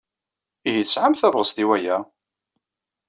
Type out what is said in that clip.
Ihi tesɛamt tabɣest i waya?